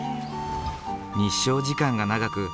日照時間が長く